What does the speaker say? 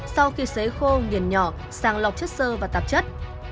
sau khi xấy khô nghiền nhỏ sàng lọc chất sơ và tạp chất